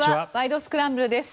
スクランブル」です。